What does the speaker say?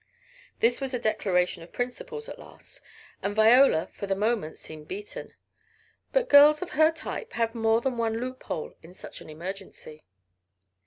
This was a declaration of principles at last. And Viola for the moment seemed beaten. But girls of her type have more than one loophole in such an emergency.